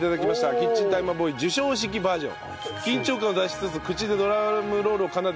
キッチンタイマーボーイ授賞式バージョン。